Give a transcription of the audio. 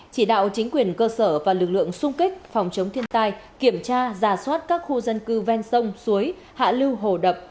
chỉ đạo chính quyền cơ sở và lực lượng sung kích phòng chống thiên tai kiểm tra giả soát các khu dân cư ven sông suối hạ lưu hồ đập